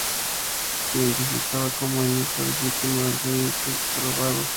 Se identificaba como hijo ilegítimo del rey Inge I el Corcovado.